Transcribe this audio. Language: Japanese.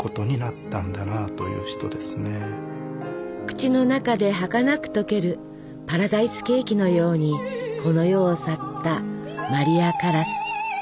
口の中ではかなく溶けるパラダイスケーキのようにこの世を去ったマリア・カラス。